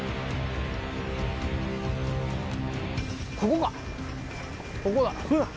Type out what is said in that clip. ここかここだ。